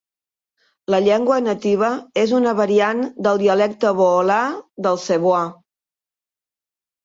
La llengua nativa és una variant del dialecte boholà del cebuà.